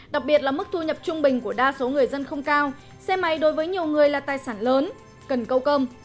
đặc biệt là mức thu nhập trung bình của đa số người dân không cao xe máy đối với nhiều người là tài sản lớn cần câu cơm